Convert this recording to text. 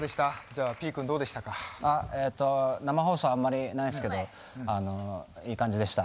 あっえっと生放送あんまりないんですけどあのいい感じでした。